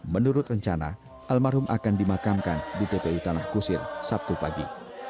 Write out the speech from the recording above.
menurut rencana almarhum akan dimakamkan di tpu tanah kusir sabtu pagi